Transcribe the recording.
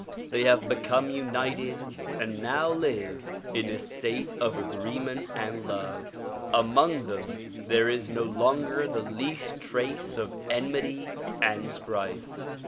They have become united and now live in a state of agreement and love; among them there is no longer the least trace of enmity and strife.